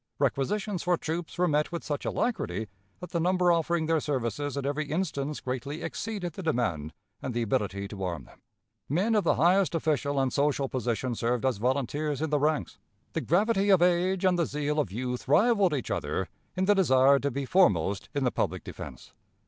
Requisitions for troops were met with such alacrity that the number offering their services in every instance greatly exceeded the demand and the ability to arm them. Men of the highest official and social position served as volunteers in the ranks. The gravity of age and the zeal of youth rivaled each other in the desire to be foremost in the public defense.